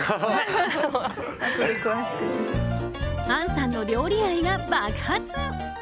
杏さんの料理愛が爆発。